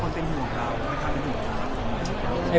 อเรนนี่อยากคุยกับตัวเองต้องทำให้ถูกภาพของแบบนี้